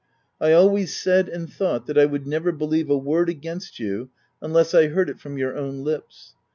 I always said and thought, that I would never believe a word against you, unless I heard it from your own lips.